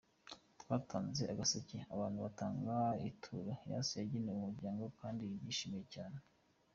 Twatanze agaseke abantu batanga ituro, yose yagenewe umuryango kandi babyishimiye cyane”.